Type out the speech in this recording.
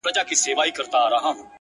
چي كله مخ ښكاره كړي ماته ځېرسي اې ه;